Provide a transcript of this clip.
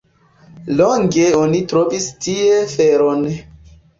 Longe oni trovis tie feron.